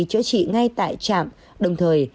chữa trị ngay tại trạm đồng thời